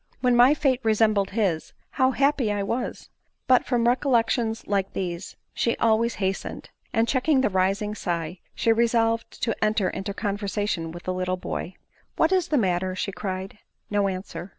" When my fate resembled his, how happy I was !" But from recollec tions Jike these she always hastened ; and checking the' rising sigh, she resolved to enter into conversation with the little boy. " What is the matter ?" she cried. No answer.